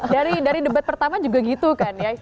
dari debat pertama juga gitu kan ya